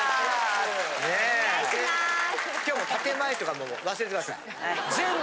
今日は建前とか忘れてください。